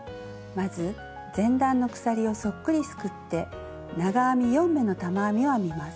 まず前段の鎖をそっくりすくって長編み４目の玉編みを編みます。